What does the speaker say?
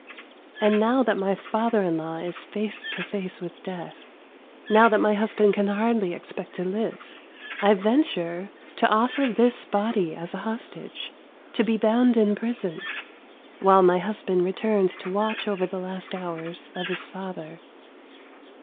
And now that my father in law is face to face with death; now that my husband can hardly expect to live — I venture to offer this body as a hostage, to be bound in prison, while my husband returns to watch over the last hours of his father.